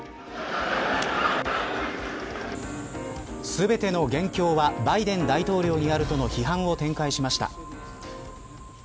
全ての元凶はバイデン大統領にあるとの批判を展開しました。